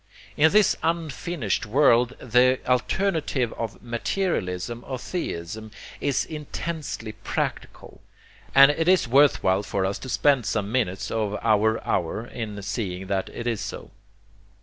In this unfinished world the alternative of 'materialism or theism?' is intensely practical; and it is worth while for us to spend some minutes of our hour in seeing that it is so.